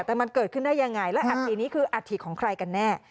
แต่มันเกิดขึ้นได้ยังไงและอัฐินี้คืออัฐิของใครกันแน่